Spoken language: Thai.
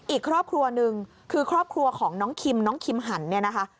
อีกครอบครัวหนึ่งคือครอบครัวของน้องคิมน้องคิมหันเนี่ยนะคะ